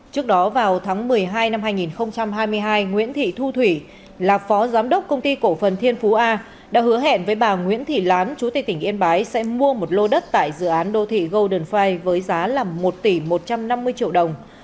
trước đó vào tháng một mươi hai năm hai nghìn hai mươi hai nguyễn thị thu thủy là phó giám đốc công ty cổ phần thiên phú a đã hứa hẹn với bà nguyễn thị lán chú tây tỉnh yên bái sẽ mua một lô đất tại dự án đô thị golden fire với giá là một tỷ một trăm năm mươi triệu đồng